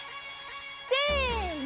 せの。